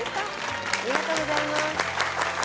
ありがとうございます。